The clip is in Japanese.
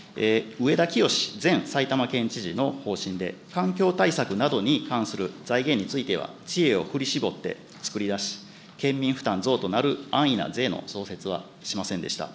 上田清司前埼玉県知事の方針で、環境対策などに関する財源については知恵を振り絞って作り出し、県民負担増となる安易な税の創設はしませんでした。